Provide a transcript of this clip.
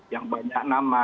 yang banyak nama